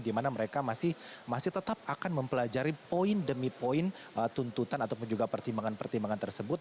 di mana mereka masih tetap akan mempelajari poin demi poin tuntutan ataupun juga pertimbangan pertimbangan tersebut